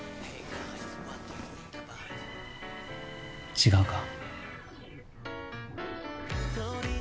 違うか？